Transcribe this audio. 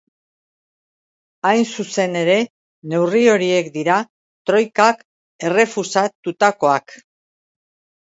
Hain zuzen ere, neurri horiek dira troikak errefusatutakoak.